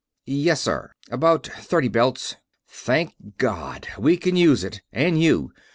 "Yes, sir. About thirty belts." "Thank God! We can use it, and you.